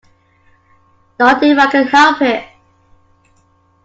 Not if I can help it.